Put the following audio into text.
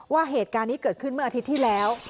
ว่าเหตุการณ์นี้เกิดขึ้นเมื่ออาทิตย์ที่แล้ว